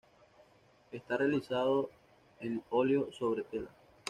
Está realizado en óleo sobre tela.